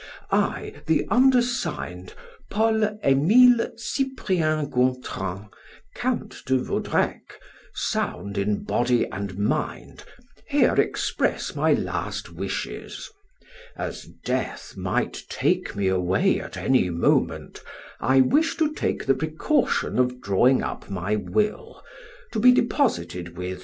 "'I, the undersigned, Paul Emile Cyprien Gontran, Count de Vaudrec, sound both in body and mind, here express my last wishes. As death might take me away at any moment, I wish to take the precaution of drawing up my will, to be deposited with M.